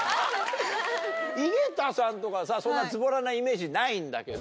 井桁さんとかさそんなズボラなイメージないんだけど。